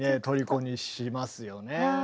とりこにしますよね。